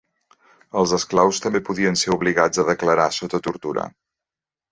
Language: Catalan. Els esclaus també podien ser obligats a declarar sota tortura.